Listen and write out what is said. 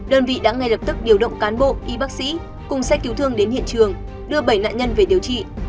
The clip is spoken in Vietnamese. đơn vị đã ngay lập tức điều động cán bộ y bác sĩ cùng xe cứu thương đến hiện trường đưa bảy nạn nhân về điều trị